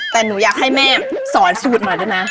แต่หนูอยากให้แม่สอนสูตรมาด้วยนะ